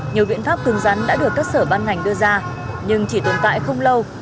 nhiều biện pháp cưng rắn đã được các sở ban ngành đưa ra nhưng chỉ tồn tại không lâu